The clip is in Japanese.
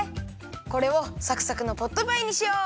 これをサクサクのポットパイにしよう！